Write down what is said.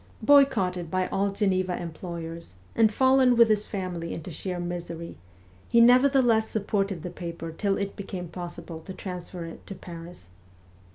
Boycotted by all Geneva employers, and fallen with his family into sheer misery, he nevertheless supported the paper till it became possible to transfer it to Paris.